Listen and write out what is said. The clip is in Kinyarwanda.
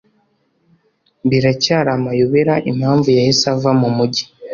Biracyari amayobera impamvu yahise ava mu mujyi.